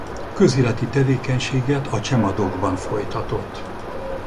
Közéleti tevékenységet a Csemadokban folytatott.